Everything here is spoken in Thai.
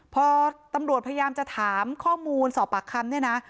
พอตำรวจพยายามจะถามข้อมูลสอบปากคำเนี่ยนะ